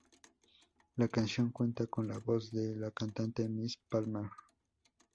La canción cuenta con la voz de la cantante Miss Palmer.